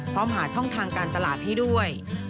หาช่องทางการตลาดให้ด้วย